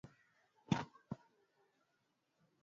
Ni mapinduzi ya Januari kumi na mbili sitini na nne